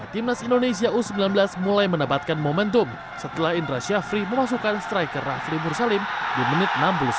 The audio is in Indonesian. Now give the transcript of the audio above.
timnas indonesia u sembilan belas mulai mendapatkan momentum setelah indra syafri memasukkan striker rafli mursalim di menit enam puluh satu